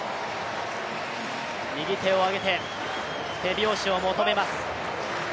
右手を挙げて手拍子を求めます。